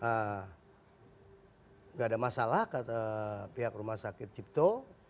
gak ada masalah pihak rumah sakit cipto